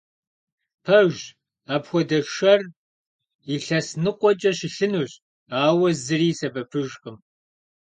Пэжщ, апхуэдэ шэр илъэс ныкъуэкӀэ щылъынущ, ауэ зыри и сэбэпыжкъым.